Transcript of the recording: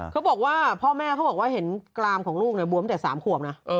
เขาบอกว่าพ่อแม่เขาบอกว่าเห็นกรามของลูกเนี่ยบวมแต่๓ขวบนะ